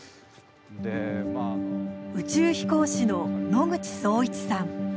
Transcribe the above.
宇宙飛行士の野口聡一さん。